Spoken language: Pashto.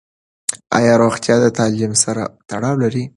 ایا روغتیا د تعلیم سره تړاو لري؟